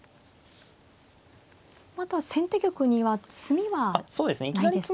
まだ先手玉には詰みはないですか。